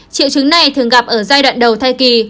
triệu chứng này thường gặp ở giai đoạn đầu thai kỳ